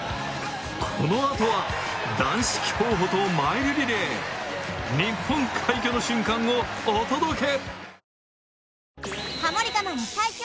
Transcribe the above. このあとは男子競歩とマイルリレー日本快挙の瞬間をお届け！